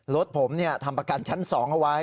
รถผมทำประกันชั้น๒เอาไว้